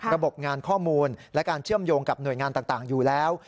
ระบบงานข้อมูลและการเชื่อมโยงกับหน่วยงานต่างอยู่แล้ว